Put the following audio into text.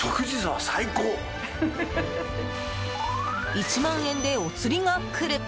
１万円でお釣りがくる！